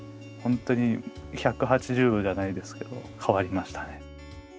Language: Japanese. ほんとに１８０度じゃないですけど変わりましたね。